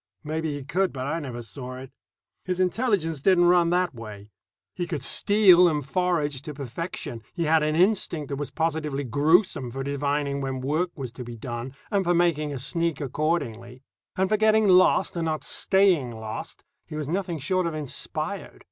Maybe he could, but I never saw it. His intelligence didn't run that way. He could steal and forage to perfection; he had an instinct that was positively gruesome for divining when work was to be done and for making a sneak accordingly; and for getting lost and not staying lost he was nothing short of inspired.